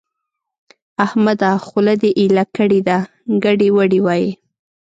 احمده! خوله دې ايله کړې ده؛ ګډې وډې وايې.